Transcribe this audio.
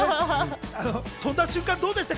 飛んだ瞬間どうでしたか？